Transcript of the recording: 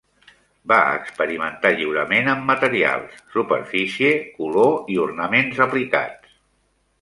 Va experimentar lliurement amb materials, superfície, color i ornaments aplicats.